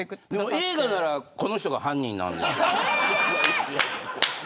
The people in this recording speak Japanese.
でも映画ならこの人が犯人なんですけどね。